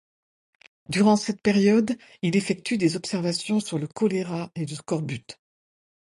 Durant cette période il effectue des observations sur le choléra et le scorbut.